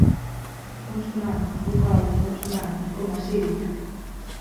Consonant, vocal, consonant, com a cívic.